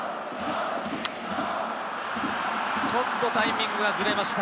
ちょっとタイミングがずれました。